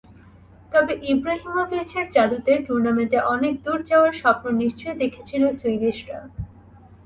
তবে ইব্রাহিমোভিচের জাদুতে টুর্নামেন্টে অনেক দূর যাওয়ার স্বপ্ন নিশ্চয়ই দেখেছিল সুইডিশরা।